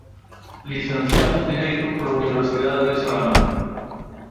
Licenciado en Dereito pola Universidade de Salamanca.